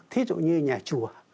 thí dụ như nhà chùa